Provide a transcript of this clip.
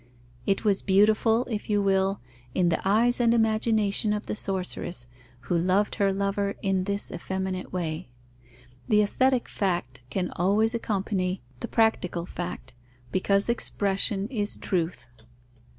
It was beautiful, if you will, in the eyes and imagination of the sorceress, who loved her lover in this effeminate way. The aesthetic fact can always accompany the practical fact, because expression is truth.